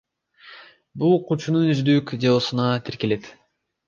Бул окуучунун өздүк делосуна тиркелет.